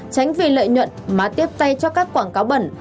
tránh vì lợi nhuận mà tiếp tay cho các quảng cáo bẩn